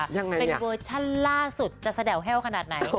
เป็นเวอร์ชันล่าสุดจะแสด่าแห้วขนาดไหน